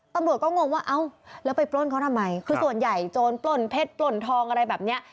ตำรวจก็งงว่าเอ้าแล้วไปปล้นเขาทำไมคือส่วนใหญ่โจรปล้นเพชรปล่นทองอะไรแบบเนี้ย